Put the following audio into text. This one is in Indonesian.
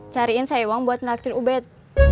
cariin saya uang buat nakin ubed